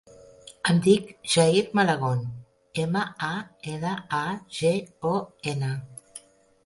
Em dic Jair Malagon: ema, a, ela, a, ge, o, ena.